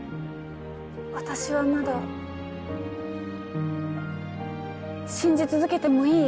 私はまだ信じ続けてもいい？